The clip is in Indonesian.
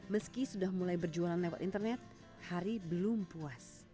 meski sudah mulai berjualan lewat internet hari belum puas